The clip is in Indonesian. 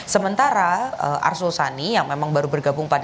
sementara arsul sani yang memang baru bergabung pada